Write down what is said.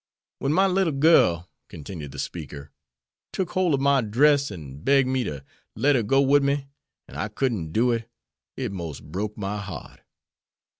"When my little girl," continued the speaker, "took hole ob my dress an' begged me ter let her go wid me, an' I couldn't do it, it mos' broke my heart.